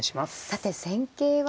さて戦型は。